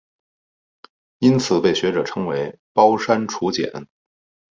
因此被学者称为包山楚简。